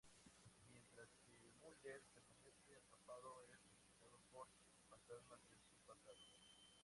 Mientras que Mulder permanece atrapado es visitado por fantasmas de su pasado.